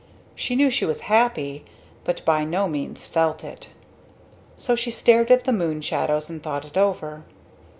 She knew she was happy, but by no means felt it. So she stared at the moon shadows and thought it over.